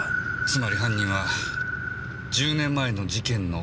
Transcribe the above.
つまり犯人は１０年前の事件の関係者。